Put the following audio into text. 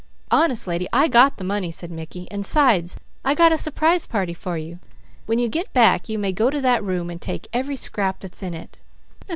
"Honest, lady, I got the money," said Mickey, "and 'sides, I got a surprise party for you. When you get back you may go to that room and take every scrap that's in it.